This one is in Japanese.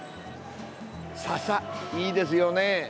ササ、いいですよね。